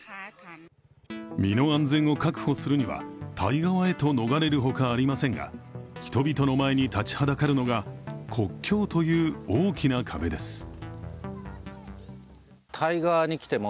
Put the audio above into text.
身の安全を確保するには対岸へと逃れるほかありませんが、人々の前に立ちはだかるのが国境という大きな壁です。